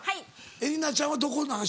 恵梨菜ちゃんはどこなの？